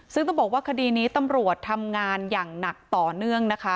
ซึ่งต้องบอกว่าคดีนี้ตำรวจทำงานอย่างหนักต่อเนื่องนะคะ